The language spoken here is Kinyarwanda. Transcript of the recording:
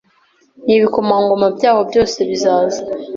n’ibikomangoma byaho byose bizaza